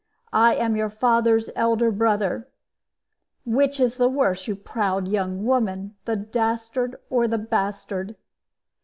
I am your father's elder brother. Which is the worse, you proud young womam, the dastard or the bastard?"